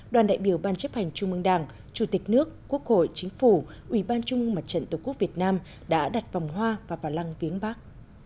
đoàn đại biểu ban chấp hành trung mương đảng chủ tịch nước quốc hội chính phủ ủy ban trung ương mặt trận tổ quốc việt nam đã đặt vòng hoa và vào lăng viếng bắc